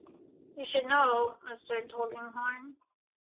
You should know, Mr. Tulkinghorn.